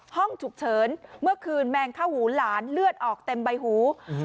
ห้องฉุกเฉินเมื่อคืนแมงเข้าหูหลานเลือดออกเต็มใบหู